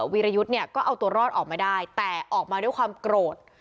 วิรยุทธ์เนี่ยก็เอาตัวรอดออกมาได้แต่ออกมาด้วยความโกรธ